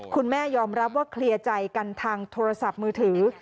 คุณแม่ยอมรับว่าเคลียร์ใจกันทางโทรศัพท์มือถือ